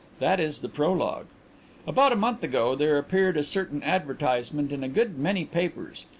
That is the prologue. "About a month ago there appeared a certain advertisement in a good many papers.